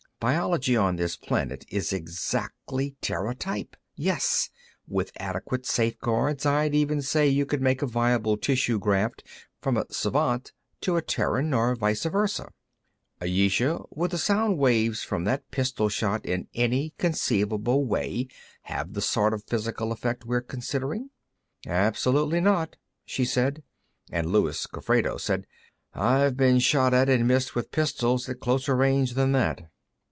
"Biology on this planet is exactly Terra type. Yes. With adequate safeguards, I'd even say you could make a viable tissue graft from a Svant to a Terran, or vice versa." "Ayesha, would the sound waves from that pistol shot in any conceivable way have the sort of physical effect we're considering?" "Absolutely not," she said, and Luis Gofredo said: "I've been shot at and missed with pistols at closer range than that."